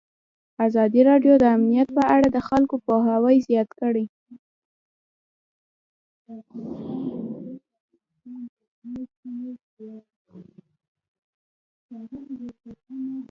ازادي راډیو د امنیت په اړه د خلکو پوهاوی زیات کړی.